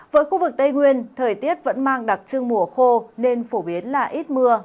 với khu vực tây nguyên thời tiết vẫn mang đặc trưng mùa khô nên phổ biến là ít mưa